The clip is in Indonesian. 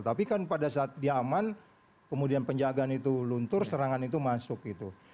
tapi kan pada saat dia aman kemudian penjagaan itu luntur serangan itu masuk gitu